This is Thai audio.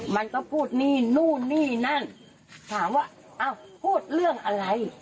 มันก็พูดนี่นู่นนี่นั่นถามว่าอ้าวพูดเรื่องอะไร